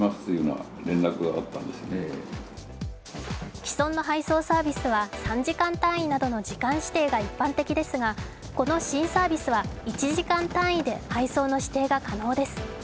既存の配送サービスは３時間単位などの時間指定が一般的ですがこの新サービスは１時間単位で配送の指定が可能です。